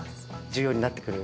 重要になってくる。